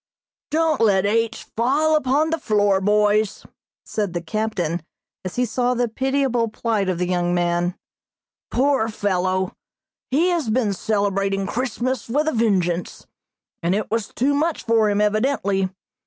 "Don't let H. fall upon the floor, boys," said the captain, as he saw the pitiable plight of the young man. "Poor fellow, he has been celebrating Christmas with a vengeance, and it was too much for him, evidently.